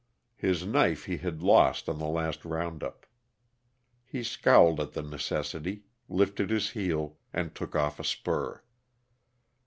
His knife he had lost on the last round up. He scowled at the necessity, lifted his heel, and took off a spur.